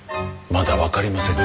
まだ分かりません。